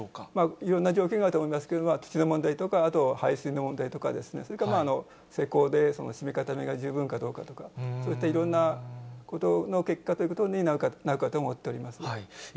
いろんな状況があると思いますけれども、土の問題とか、あと排水の問題とかですね、それから施工ですずめ方が十分かどうかとか、そういったいろんなことの結果ということになるかと思っております。